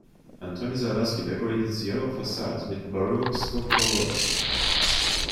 Antoni Zaleski decorated its yellow facades with baroque stucco work.